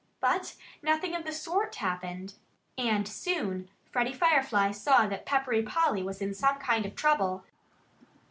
But nothing of the sort happened. And Freddie soon saw that Peppery Polly was in some kind of trouble.